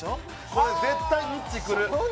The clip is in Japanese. これ絶対ンッチ来る